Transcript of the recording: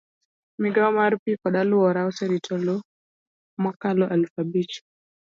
migawo mar pi kod alwora oserito lowo mokalo aluf abich.